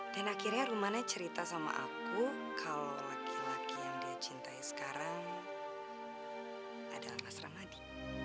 dan akhirnya rumana cerita sama aku kalau laki laki yang dia cintai sekarang adalah mas ramadi